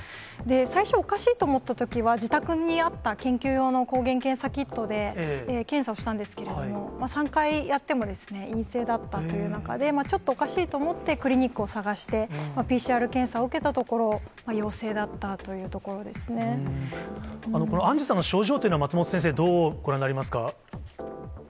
最初、おかしいと思ったときは、自宅にあった緊急用の抗原検査キットで検査をしたんですけれども、３回やってもですね、陰性だったという中で、ちょっとおかしいと思って、クリニックを探して、ＰＣＲ検査を受けたところ、このアンジュさんの症状というのは、松本先生、どうご覧になりますか？